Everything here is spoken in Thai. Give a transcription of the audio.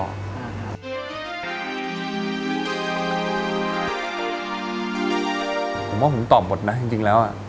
ผมว่าผมตอบหมดนะจริงแล้ว